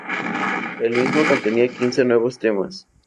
El mismo contenía quince nuevos temas.